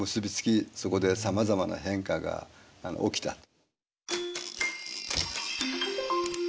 そこでさまざまな変化が起きたと。